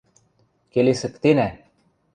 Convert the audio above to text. – Келесӹктенӓ!..